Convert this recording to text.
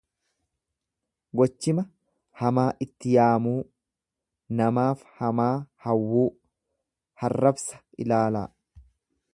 "Gochima hamaa itti yaamuu, namaaf hamaa hawwuu. ""harrabsa"" ilaalaa."